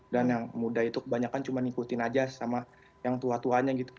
dan yang muda itu kebanyakan cuma ikutin aja sama yang tua tuanya gitu